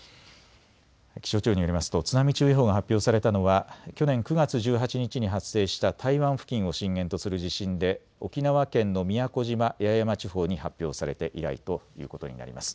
気象庁によりますと津波注意報が発表されたのは去年９月１８日に発生した台湾付近を震源とする地震で沖縄県の宮古島、八重山地方に発表されて以来ということになります。